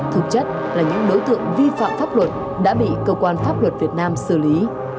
thực chất là những đối tượng vi phạm pháp luật đã bị cơ quan pháp luật việt nam xử lý